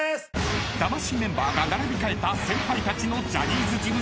［魂メンバーが並び替えた先輩たちのジャニーズ事務所入所順］